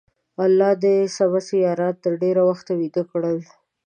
الله د څمڅې یاران تر ډېره وخته ویده کړل.